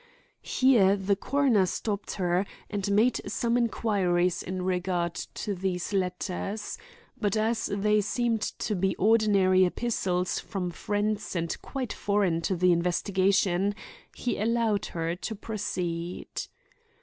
Here the coroner stopped her and made some inquiries in regard to these letters, but as they seemed to be ordinary epistles from friends and quite foreign to the investigation, he allowed her to proceed.